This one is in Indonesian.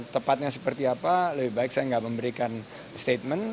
tepatnya seperti apa lebih baik saya tidak memberikan statement